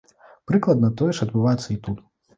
Прыкладна тое ж адбываецца і тут.